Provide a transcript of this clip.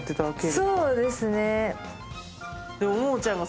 そうですね。